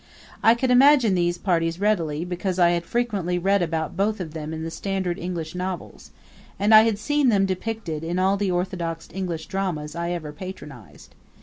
I could imagine these parties readily, because I had frequently read about both of them in the standard English novels; and I had seen them depicted in all the orthodox English dramas I ever patronized.